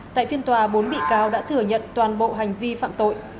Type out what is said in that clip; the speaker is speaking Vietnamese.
tại phiên tòa bốn bị cáo đã thừa nhận toàn bộ hành vi phạm tội